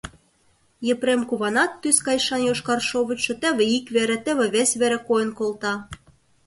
Епрем куванат тӱс кайшан йошкар шовычшо теве ик вере, теве вес вере койын колта.